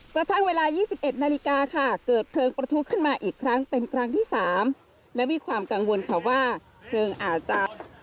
กระทั่งเวลา๒๑นาฬิกาค่ะเกิดเพลิงประทุขึ้นมาอีกครั้งเป็นครั้งที่๓และมีความกังวลค่ะว่าเพลิงอาจจะ